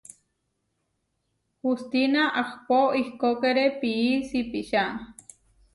Hustína ahpó ihkókere pií sipičá.